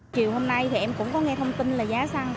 chiều hôm nay thì em cũng có nghe thông tin là giá xăng